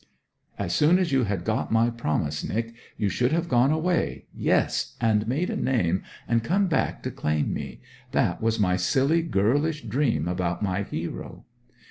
As soon as you had got my promise, Nic, you should have gone away yes and made a name, and come back to claim me. That was my silly girlish dream about my hero.'